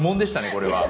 これは。